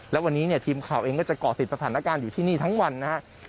และวันนี้เนี่ยทีมข่าวเองก็จะเกาะติดสถานการณ์อยู่ที่นี่ทั้งวันนะครับ